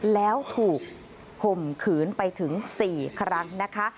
แล้วถูกข่มขืนไปถึง๔ครั้งนะคะ